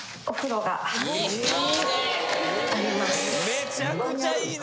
めちゃくちゃいいね！